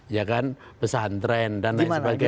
ya kan pesantren dan lain sebagainya